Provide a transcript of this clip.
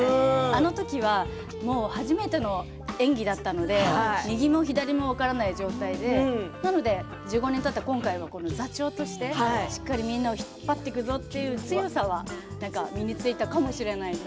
あの時は初めての演技だったので右も左も分からない状態でなので１５年たった今回は座長として、しっかりみんなを引っ張っていくぞという強さは何か身についたかもしれません。